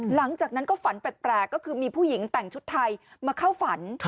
หลังจากนั้นก็ฝันแปลกก็คือมีผู้หญิงแต่งชุดไทยมาเข้าฝัน